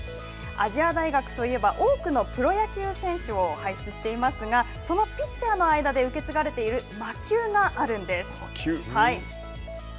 亜細亜大学といえば多くのプロ野球選手を輩出していますがそのピッチャーの間で受け継がれている魔球があるんです。